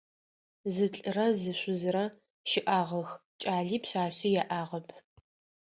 Зы лӏырэ зы шъузырэ щыӏагъэх, кӏали пшъашъи яӏагъэп.